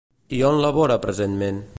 I on labora presentment?